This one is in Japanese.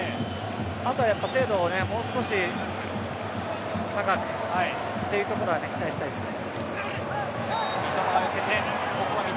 あとは精度をもう少し高くというところに期待したいですね。